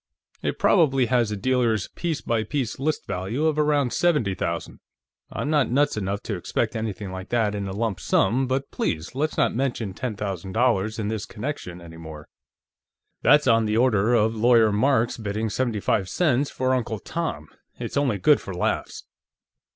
"It probably has a dealer's piece by piece list value of around seventy thousand. I'm not nuts enough to expect anything like that in a lump sum, but please, let's not mention ten thousand dollars in this connection any more. That's on the order of Lawyer Marks bidding seventy five cents for Uncle Tom; it's only good for laughs."